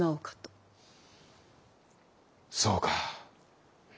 そうか。